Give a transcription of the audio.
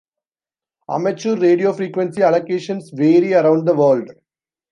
Amateur radio frequency allocations vary around the world.